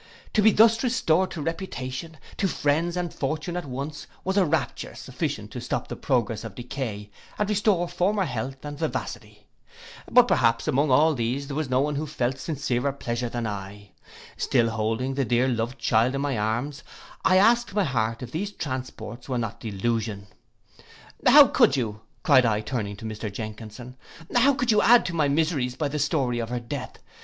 To be thus restored to reputation, to friends and fortune at once, was a rapture sufficient to stop the progress of decay and restore former health and vivacity. But perhaps among all there was not one who felt sincerer pleasure than I. Still holding the dear loved child in my arms, I asked my heart if these transports were not delusion. 'How could you,' cried I, turning to Mr Jenkinson, 'how could you add to my miseries by the story of her death!